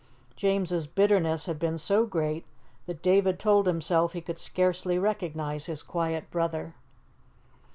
James's bitterness had been so great that David told himself he could scarcely recognize his quiet brother.